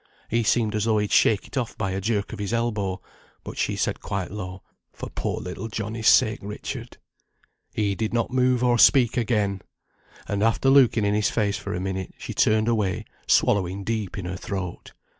He seem'd as though he'd shake it off by a jerk on his elbow, but she said quite low, 'For poor little Johnnie's sake, Richard.' He did not move or speak again, and after looking in his face for a minute, she turned away, swallowing deep in her throat.